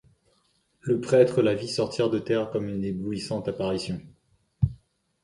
Le prêtre la vit sortir de terre comme une éblouissante apparition.